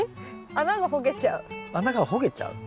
穴がほげちゃう？